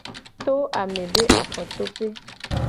To ame be afodome.